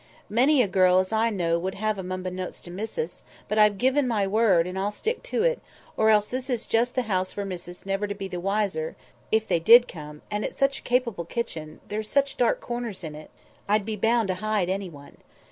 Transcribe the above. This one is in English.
Many a girl as I know would have 'em unbeknownst to missus; but I've given my word, and I'll stick to it; or else this is just the house for missus never to be the wiser if they did come: and it's such a capable kitchen—there's such dark corners in it—I'd be bound to hide any one.